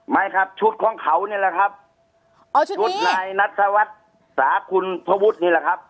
ไม่ครับชุดของเขานี่แหละครับชุดนายนัทวัฒน์สาคุณพระวุฒินี่แหละครับ